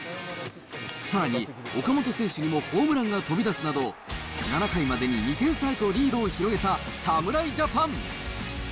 さらに岡本選手にもホームランが飛び出すなど、７回までに２点差へとリードを広げた侍ジャパン。